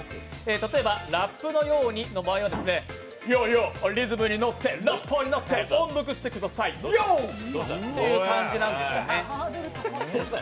例えば、「ラップのように」の場合は、ヨーヨー、リズムに乗って、ラッパーになって音読してください、ＹＯという感じなんですよね。